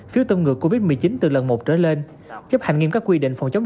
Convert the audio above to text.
phiếu tâm ngược covid một mươi chín từ lần một đến lần hai